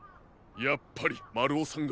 やっぱりまるおさんが。